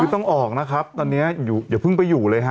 คือต้องออกนะครับตอนนี้อย่าเพิ่งไปอยู่เลยฮะ